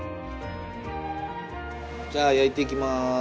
じゃあ焼いていきます。